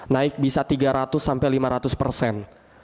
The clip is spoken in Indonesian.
naik bisa tiga ratus sampai lima ratus persen